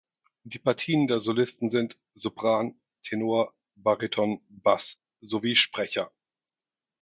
Die Partien der Solisten sind: Sopran, Tenor, Bariton, Bass sowie Sprecher.